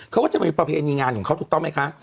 เขาก็จะมีประเพณีงานของเขาถูกต้องไหมคะ